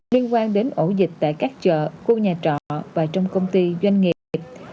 liên quan đến ổ dịch tại các chợ khu nhà trọ và trong công ty doanh nghiệp dịch